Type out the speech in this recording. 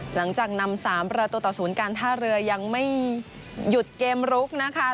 หลังจากนำ๓ประตูต่อ๐การท่าเรือยังไม่หยุดเกมลุกนะคะ